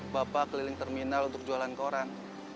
bapak keliling terminal untuk jualan koran